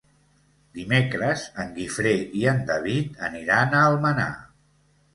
Dimecres en Guifré i en David aniran a Almenar.